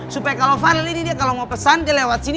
supaya kalau viral ini dia kalau mau pesan dia lewat sini